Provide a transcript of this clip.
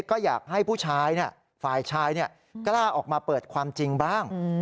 ก็อยากให้ผู้ชายฝ่ายชายกล้าออกมาเปิดความจริงบ้าง